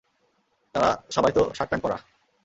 তারা সবাই তো শার্ট-প্যান্ট পরা।